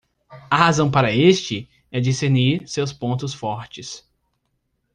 A razão para este? é discernir seus pontos fortes.